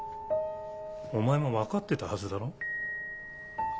お前も分かってたはずだろ？